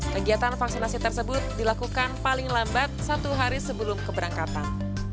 kegiatan vaksinasi tersebut dilakukan paling lambat satu hari sebelum keberangkatan